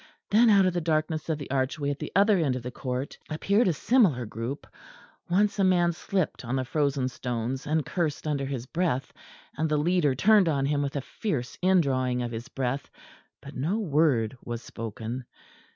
Then out of the darkness of the archway at the other end of the court appeared a similar group. Once a man slipped on the frozen stones and cursed under his breath, and the leader turned on him with a fierce indrawing of his breath; but no word was spoken.